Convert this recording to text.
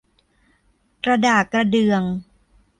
กระดากกระเดื่อง